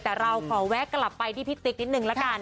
แต่เราขอแวะกลับไปที่พี่ติ๊กนิดนึงละกัน